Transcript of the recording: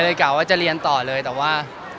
เลยกล่าวว่าจะเรียนต่อเลยแต่ว่า